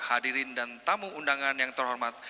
hadirin dan tamu undangan yang terhormat